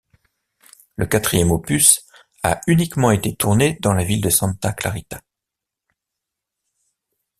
Le quatrième opus a uniquement été tourné dans la ville de Santa Clarita.